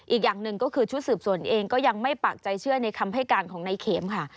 อีกอย่างหนึ่งก็คือชุดสืบสวนเองก็ยังไม่ปากใจเชื่อในคำให้การของนายเข็มค่ะ